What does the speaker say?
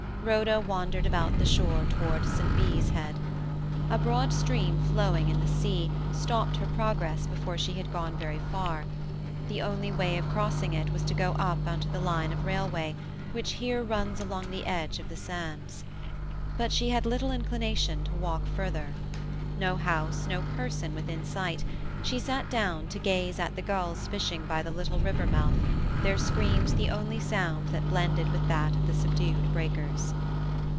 Rhoda wandered about the shore towards St. Bees Head. A broad stream flowing into the sea stopped her progress before she had gone very far; the only way of crossing it was to go up on to the line of railway, which here runs along the edge of the sands. But she had little inclination to walk farther. No house, no person within sight, she sat down to gaze at the gulls fishing by the little river mouth, their screams the only sound that blended with that of the subdued breakers.